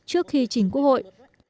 trước khi trình quốc hội